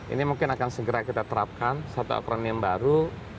ini mungkin akan segera kita terapkan satu akronim baru